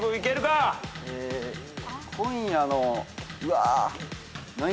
今夜のうわ何や？